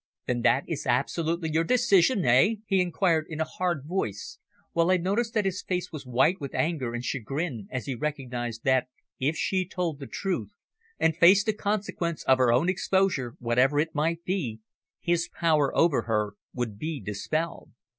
"Then that is absolutely your decision, eh?" he inquired in a hard voice, while I noticed that his face was white with anger and chagrin as he recognised that, if she told the truth and faced the consequence of her own exposure, whatever it might be, his power over her would be dispelled.